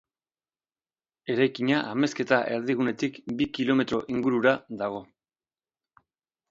Eraikina Amezketa erdigunetik bi kilometro ingurura dago.